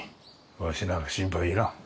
わしなら心配いらん。